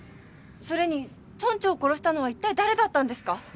それに村長を殺したのは一体誰だったんですか？